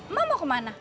emak mau ke mana